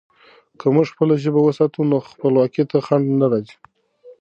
که موږ خپله ژبه وساتو، نو خپلواکي ته خنډ نه راځي.